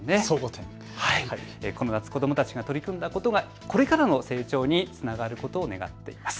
この夏、子どもたちが取り組んだことがこれからの成長につながることを願っています。